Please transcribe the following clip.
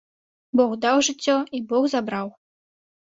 Бог даў жыццё і бог забраў.